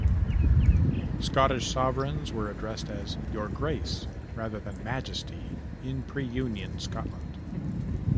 Scottish sovereigns were addressed as "Your Grace", rather than "Majesty", in pre-Union Scotland.